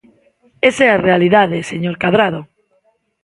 Esa é a realidade, señor Cadrado.